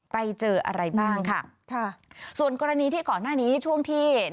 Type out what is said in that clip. ไปเจออะไรบ้างค่ะค่ะส่วนกรณีที่ก่อนหน้านี้ช่วงที่